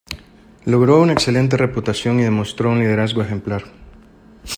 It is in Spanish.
Logró una excelente reputación y demostró un liderazgo ejemplar.